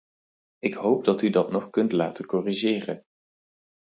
Ik hoop dat u dat nog kunt laten corrigeren.